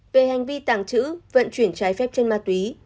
về hành vi tàng trữ vận chuyển trái phép trên ma túy